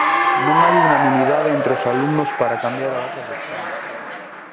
Non hai unanimidade entre os alumnos para cambiar a data do exame.